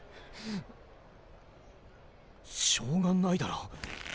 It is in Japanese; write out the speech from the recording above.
しょうがないだろ。